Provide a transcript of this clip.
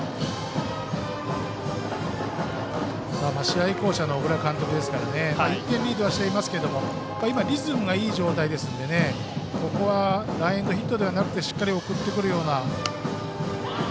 試合巧者の小倉監督ですから１点リードはしていますけど今、リズムがいい状態ですのでランエンドヒットではなくてしっかり送ってくるような。